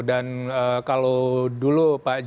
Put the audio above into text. dan kalau dulu pak jokowi